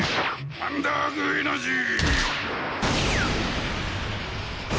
アンダーグ・エナジー！